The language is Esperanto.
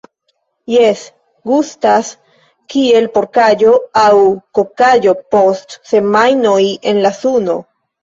Jes, gustas kiel porkaĵo aŭ kokaĵo post semajnoj en la suno